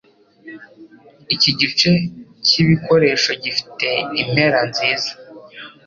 Iki gice cyibikoresho gifite impera nziza.